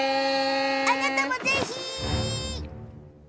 あなたも、ぜひ！